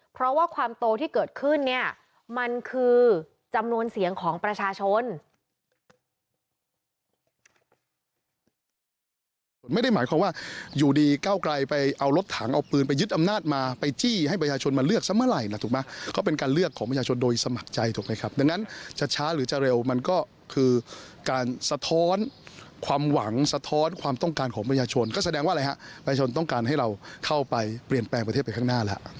เพราะว่าความโตที่เกิดขึ้นเนี่ยมันคือจำนวนเสียงของประชาชน